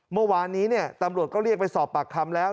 เมื่อวานนี้ตำรวจก็เรียกไปสอบปากคำแล้ว